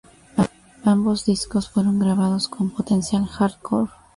Ambos discos fueron grabados con Potencial Hardcore.